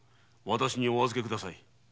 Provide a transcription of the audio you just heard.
私にお預けください。